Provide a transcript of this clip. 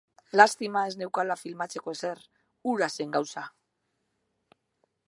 Lastima ez neukala filmatzeko ezer, hura zen gauza!